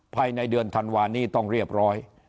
ภายในเดือนธันวานี้ต้องเรียบร้อย